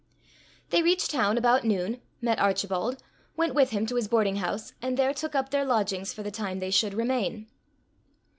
They reached town about noon, met Archibald, went with him to his boardinghouse, and there took up their lodgings for the time they should remain.